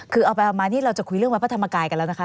คือเอาไปมานี่เราจะคุยเรื่องวัดพระธรรมกายกันแล้วนะคะ